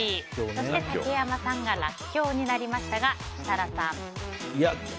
そして竹山さんがらっきょうになりましたが設楽さん。